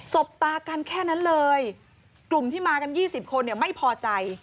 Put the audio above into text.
บตากันแค่นั้นเลยกลุ่มที่มากัน๒๐คนเนี่ยไม่พอใจ